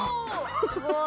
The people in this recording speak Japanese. すごい。